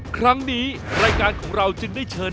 ครั้งนี้รายการของเราจึงได้เชิญ